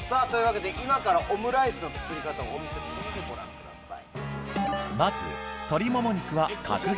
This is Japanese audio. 今からオムライスの作り方をお見せするのでご覧ください。